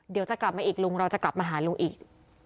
เดี๋ยวจะกลับมาอีกลุงเราจะกลับมาหาลุงอีก